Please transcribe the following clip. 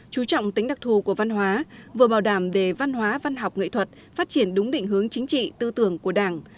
chú trọng tính đặc thù của văn hóa vừa bảo đảm để văn hóa văn học nghệ thuật phát triển đúng định hướng chính trị tư tưởng của đảng